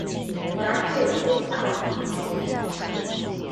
麻雀雖小，你才衰小